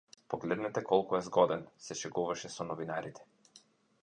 Погледнете колку е згоден, се шегуваше со новинарите.